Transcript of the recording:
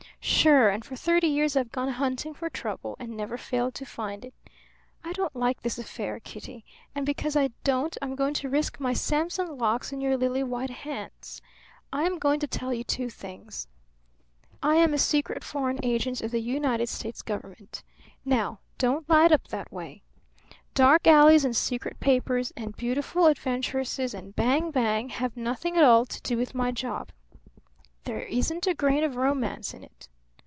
"Sure! And for thirty years I've gone hunting for trouble, and never failed to find it. I don't like this affair, Kitty; and because I don't I'm going to risk my Samson locks in your lily white hands. I am going to tell you two things: I am a secret foreign agent of the United States Government. Now don't light up that way. Dark alleys and secret papers and beautiful adventuresses and bang bang have nothing at all to do with my job. There isn't a grain of romance in it.